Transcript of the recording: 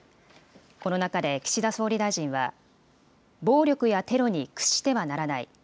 この中で岸田総理大臣は、暴力やテロに屈してはならない。